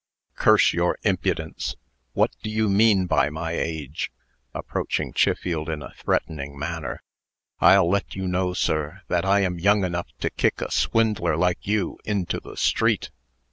"Curse your impudence! what do you mean by my age?" (approaching Chiffield in a threatening manner). "I'll let you know, sir, that I am young enough to kick a swindler like you into the street."